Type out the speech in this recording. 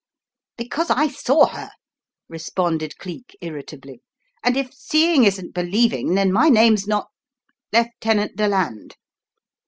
" "Because I saw her," responded Cleek, irritably. "And if seeing isn't believing then my name's not— Lieutenant Deland."